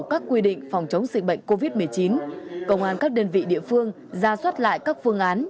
các quy định phòng chống dịch bệnh covid một mươi chín công an các đơn vị địa phương ra soát lại các phương án